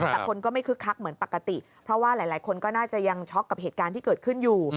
แต่คนก็ไม่คึกคักเหมือนปกติเพราะว่าหลายคนก็น่าจะยังช็อกกับเหตุการณ์ที่เกิดขึ้นอยู่